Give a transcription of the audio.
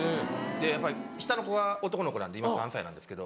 やっぱり下の子が男の子なんで今３歳なんですけど。